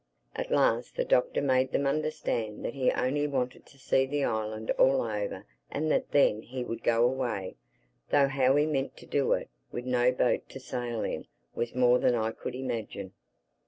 At last the Doctor made them understand that he only wanted to see the island all over and that then he would go away—though how he meant to do it, with no boat to sail in, was more than I could imagine.